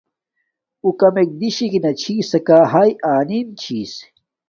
اݸݳ کمݵک دِشَکݵ چھݵکݳ ہݳئݵ آنِم چݵس.